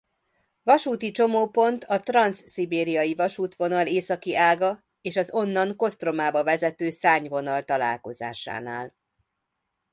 Vasúti csomópont a transzszibériai vasútvonal északi ága és az onnan Kosztromába vezető szárnyvonal találkozásánál.